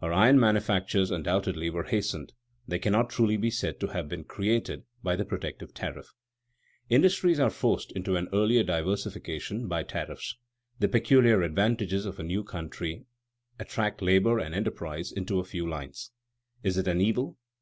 Her iron manufactures undoubtedly were hastened they cannot truly be said to have been created by the protective tariff. [Sidenote: Social effects of the tariff] Industries are forced into an earlier diversification by tariffs. The peculiar advantages of a new country attract labor and enterprise into a few lines. Is it an evil?